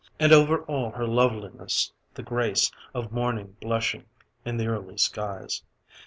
And over all her loveliness, the grace Of Morning blushing in the early skies.